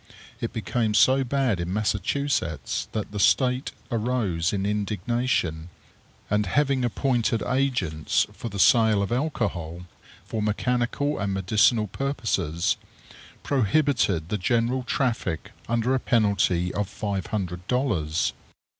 It became so bad in Massachusetts, that the State arose in indignation; and having appointed agents for the sale of alcohol for mechanical and medicinal purposes, prohibited the general traffic under a penalty of five hundred dollars.